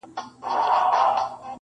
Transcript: تورې موږ وکړې ګټه تا پورته کړه-